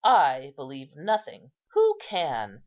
I believe nothing. Who can?